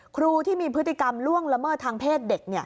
ครูที่มีพฤติกรรมล่วงละเมิดทางเพศเด็ก